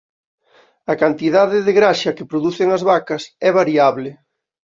A cantidade de graxa que producen as vacas é variable.